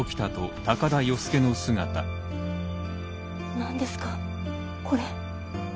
何ですかこれ。